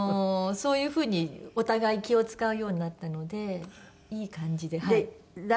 そういう風にお互い気を使うようになったのでいい感じではい。